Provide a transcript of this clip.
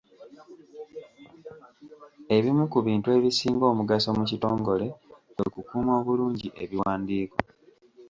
Ebimu ku bintu ebisinga omugaso mu kitongole kwe kukuuma obulungi ebiwandiiko.